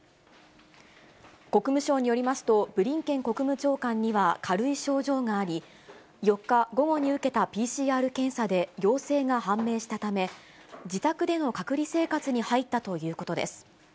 国務省によりますと、ブリンケン国務長官には軽い症状があり、４日午後に受けたＰＣＲ検査で陽性が判明したため、自宅での隔離生活に入ったということです。